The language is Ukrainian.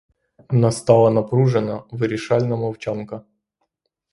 Настала напружена, вирішальна мовчанка.